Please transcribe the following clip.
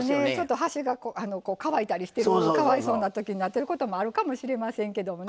端が乾いたりしてかわいそうな時になってることもあるかもしれませんけどね。